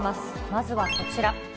まずはこちら。